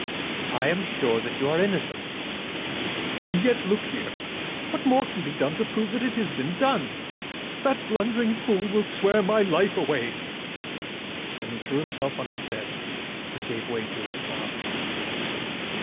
"I am sure that you are innocent." "And yet, look here. What more can be done to prove it than has been done? That blundering fool will swear my life away." Then he threw himself on his bed, and gave way to his sobs.